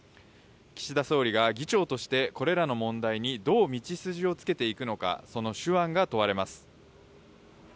岸田総理が議長としてこれらの問題にどう道筋をつけていくのか、その手腕が問われます。